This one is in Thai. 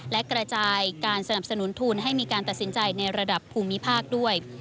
และกระจายการสนับสนุนทุนให้มีการตัดสินใจในระดับภูมิภาคด้วย